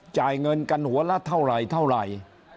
จ่ายเงินกันหัวละเท่าไหร่เท่าไหร่